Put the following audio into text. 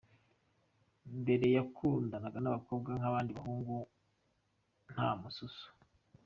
Mbere yakundanaga n’abakobwa nk’abandi bahungu nta mususu.